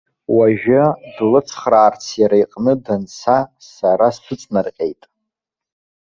Уажәы длыцхраарц иара иҟны данца, сара сыҵнарҟьеит.